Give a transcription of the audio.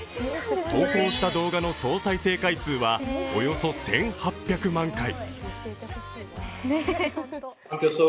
投稿した動画の総再生回数はおよそ１８００万回。